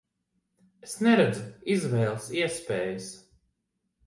Es neredzu izvēles iespējas.